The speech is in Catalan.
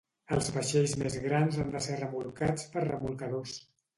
Els vaixells més grans han de ser remolcats per remolcadors.